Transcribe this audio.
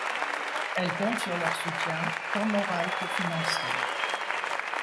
Elle compte sur leur soutien, tant moral que financier.